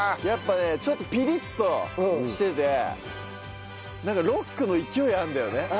やっぱねちょっとピリッとしててなんかロックの勢いあるんだよね。